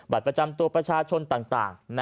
ประจำตัวประชาชนต่าง